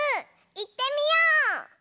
いってみよう！